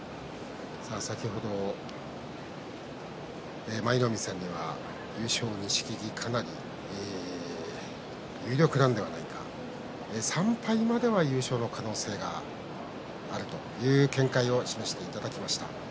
先ほど舞の海さんには優勝錦木が有力なのではないかということで３敗までは優勝の可能性があるという見解を示していただきました。